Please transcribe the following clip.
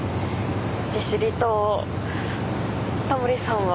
利尻島タモリさんは。